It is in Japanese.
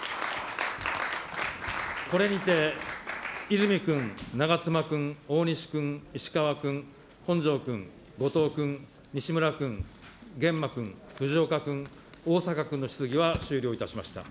これにて、泉君、長妻君、大西君、石川君、本庄君、後藤君、西村君、源馬君、藤岡君、逢坂君の質疑は終了いたしました。